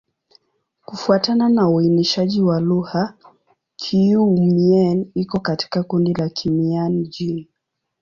Kufuatana na uainishaji wa lugha, Kiiu-Mien iko katika kundi la Kimian-Jin.